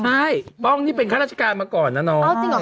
ใช่ป้องนี่เป็นข้าราชการมาก่อนนะน้อง